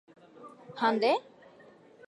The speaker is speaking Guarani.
Ha nde?